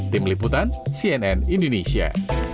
tim liputan cnn indonesia